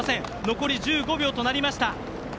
残り１５秒となりました。